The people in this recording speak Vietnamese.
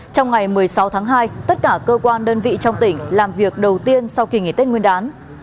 trong ngày một mươi sáu tháng hai tất cả cơ quan đơn vị trong tỉnh làm việc đầu tiên sau kỳ nghỉ tết nguyên đán